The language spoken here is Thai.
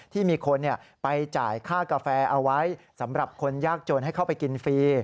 ที่มีคนไปจ่ายค่ากาแฟเอาไว้สำหรับคนยากจนให้เข้าไปกินฟรี